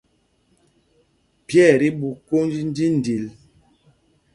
Pye ɛ tí ɓu kwōnj ndīndil.